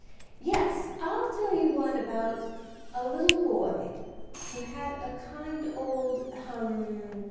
Yes, I'll tell you one about a little boy who had a kind old ahem!